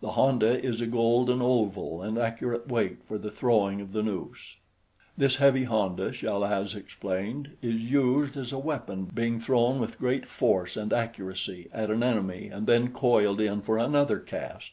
The honda is a golden oval and accurate weight for the throwing of the noose. This heavy honda, Chal az explained, is used as a weapon, being thrown with great force and accuracy at an enemy and then coiled in for another cast.